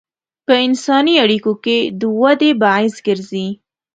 په انساني اړیکو کې د ودې باعث ګرځي.